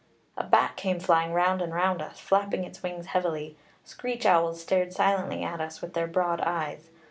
A bat came flying round and round us, flapping its wings heavily. Screech owls stared silently at us with their broad eyes.